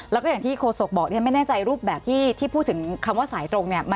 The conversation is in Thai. แล้วก็อย่างที่โฆษกบอกเรียนไม่แน่ใจรูปแบบที่พูดถึงคำว่าสายตรงเนี่ย